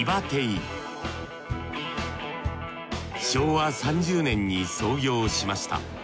昭和３０年に創業しました。